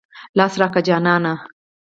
لاس راکه جانانه.